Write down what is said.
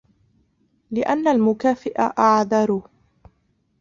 لِأَنَّ الْمُكَافِئَ أَعَذْرُ